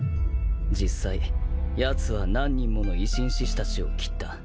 実際やつは何人もの維新志士たちを斬った。